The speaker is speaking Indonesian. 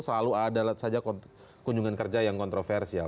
selalu ada saja kunjungan kerja yang kontroversial